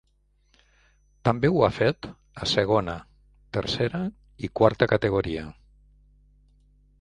També ho ha fet a segona, tercera i quarta categoria.